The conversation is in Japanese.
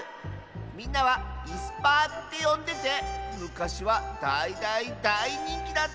みんなは「いすパー」ってよんでてむかしはだいだいだいにんきだったんだ。